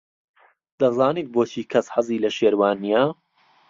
دەزانیت بۆچی کەس حەزی لە شێروان نییە؟